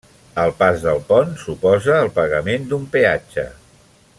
El pas pel pont suposa el pagament d'un peatge.